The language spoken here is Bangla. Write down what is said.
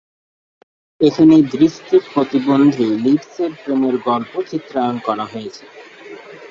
এখানে দৃষ্টি প্রতিবন্ধী লিডসের প্রেমের গল্প চিত্রায়ন করা হয়েছে।